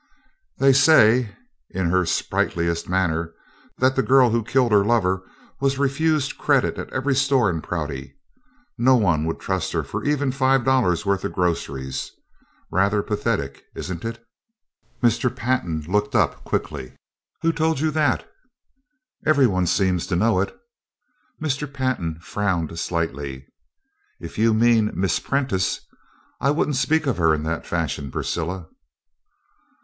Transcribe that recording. "They say," in her sprightliest manner, "that that girl who killed her lover was refused credit at every store in Prouty. No one would trust her for even five dollars' worth of groceries. Rather pathetic, isn't it?" Mr. Pantin looked up quickly. "Who told you that?" "Everyone seems to know it." Mr. Pantin frowned slightly. "If you mean Miss Prentice, I wouldn't speak of her in that fashion, Priscilla."